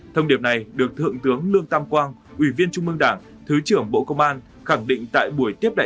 thông điệp này được thượng tướng lương tam quang ủy viên trung mương đảng thứ trưởng bộ công an khẳng định tại buổi tiếp đại